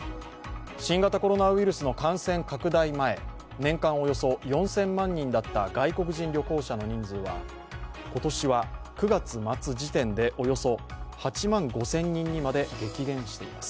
新型コロナウイルスの感染拡大前、年間およそ４０００万人だった外国人旅行者の人数は今年は９月末時点でおよそ８万５０００人にまで激減しています。